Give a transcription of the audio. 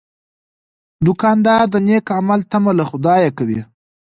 دوکاندار د نیک عمل تمه له خدایه کوي.